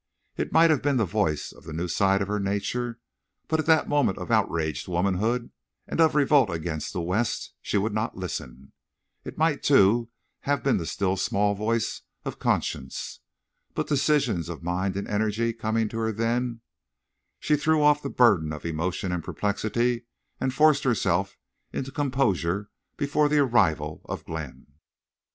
It might have been the voice of the new side of her nature, but at that moment of outraged womanhood, and of revolt against the West, she would not listen. It might, too, have been the still small voice of conscience. But decision of mind and energy coming to her then, she threw off the burden of emotion and perplexity, and forced herself into composure before the arrival of Glenn.